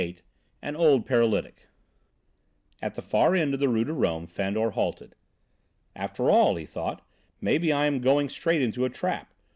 XXVIII AN OLD PARALYTIC At the far end of the Rue de Rome Fandor halted. "After all," he thought, "maybe I am going straight into a trap.